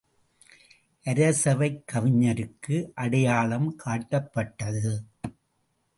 அரசவைக் கவிஞருக்கு அடையாளம் காட்டப்பட்டது.